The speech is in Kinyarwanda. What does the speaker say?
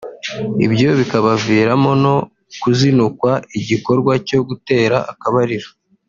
ibyo bikabaviramo no kuzinukwa igikorwa cyo gutera akabariro